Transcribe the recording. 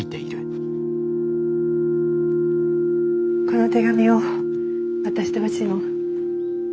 この手紙を渡してほしいの。